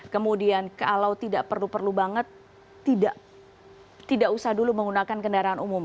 kemudian kalau tidak perlu perlu banget tidak usah dulu menggunakan kendaraan umum